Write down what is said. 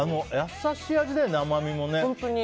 優しい味だよね、甘みもね。